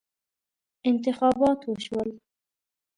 انتخابات وشول.